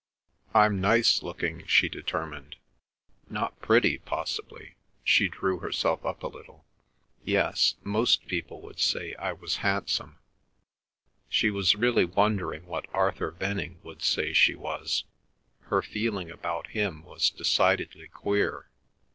"I'm nice looking," she determined. "Not pretty—possibly," she drew herself up a little. "Yes—most people would say I was handsome." She was really wondering what Arthur Venning would say she was. Her feeling about him was decidedly queer.